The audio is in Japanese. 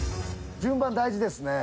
順番大事ですね。